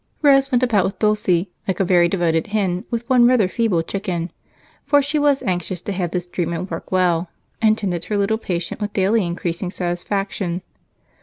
Rose went about with Dulce like a very devoted hen with one rather feeble chicken, for she was anxious to have this treatment work well and tended her little patient with daily increasing satisfaction.